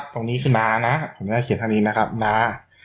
ตรงนี้คือน้านะผมจะเขียนข้างนี้นะครับน้า